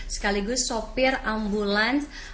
sekaligus sopir ambulans